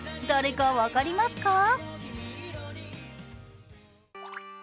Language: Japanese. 誰か分かりますか？